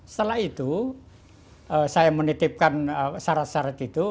setelah itu saya menitipkan syarat syarat itu